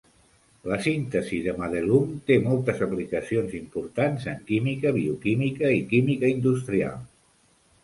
La síntesis de Madelung té moltes aplicacions importants en química, bioquímica i química industrial.